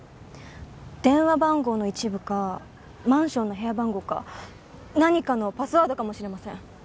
電話番号の一部かマンションの部屋番号か何かのパスワードかもしれません。